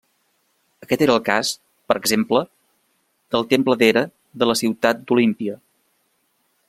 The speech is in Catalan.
Aquest era el cas, per exemple, del temple d'Hera de la ciutat d'Olímpia.